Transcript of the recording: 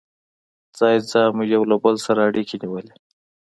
ځای ځای مو یو له بل سره اړيکې نیولې.